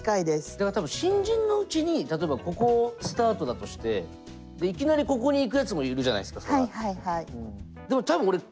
だから多分新人のうちに例えばここスタートだとしていきなりここに行くやつもいるじゃないですかそれは。